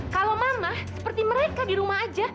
kalau mama seperti mereka di rumah aja